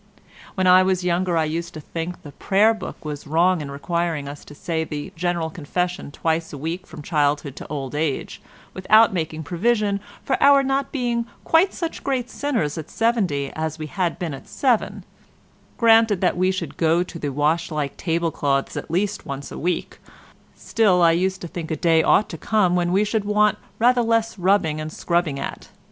When I was younger I used to think the Prayer Book was wrong in requiring us to say the General Confession twice a week from childhood to old age, without making provision for our not being quite such great sinners at seventy as we had been at seven; granted that we should go to the wash like table cloths at least once a week, still I used to think a day ought to come when we should want rather less rubbing and scrubbing at.